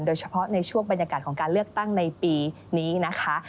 โดยเฉพาะในช่วงบรรยากาศของการเลือกตั้งในปีนี้นะคะ